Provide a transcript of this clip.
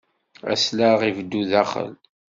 Aslaɣ ibeddu daxel.